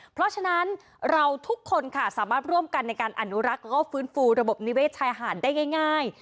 เพราะฉะนั้นเราทุกคนค่ะสามารถร่วมกันในการอนุรักษ์แล้วก็ฟื้นฟูระบบนิเศษชายหาดได้ง่าย